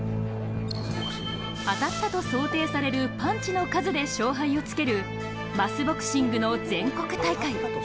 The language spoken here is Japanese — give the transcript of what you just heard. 当たったと想定されるパンチの数で勝敗をつけるマスボクシングの全国大会。